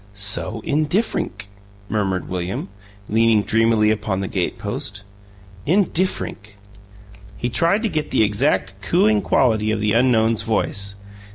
"'SO indifferink'!" murmured William, leaning dreamily upon the gate post. "Indifferink!" He tried to get the exact cooing quality of the unknown's voice.